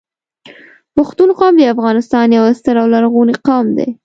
پښتون قوم د افغانستان یو ستر او لرغونی قوم دی